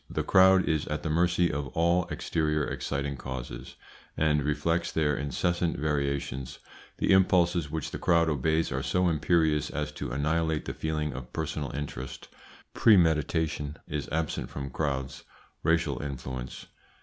The crowd is at the mercy of all exterior exciting causes, and reflects their incessant variations The impulses which the crowd obeys are so imperious as to annihilate the feeling of personal interest Premeditation is absent from crowds Racial influence.